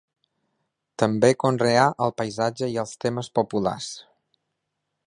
També conreà el paisatge i els temes populars.